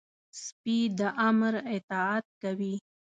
سپي د امر اطاعت کوي.